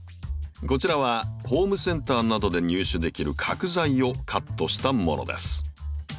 こちらはホームセンターなどで入手できる角材をカットしたものです。